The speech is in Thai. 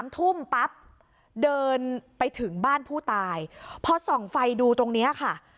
ทุ่มปั๊บเดินไปถึงบ้านผู้ตายพอส่องไฟดูตรงนี้ค่ะ